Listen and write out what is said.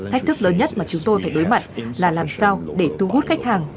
thách thức lớn nhất mà chúng tôi phải đối mặt là làm sao để thu hút khách hàng